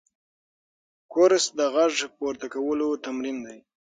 کورس د غږ پورته کولو تمرین دی.